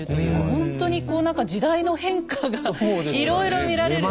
ほんとにこう何か時代の変化がいろいろ見られる。